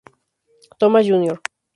Thomas Jr.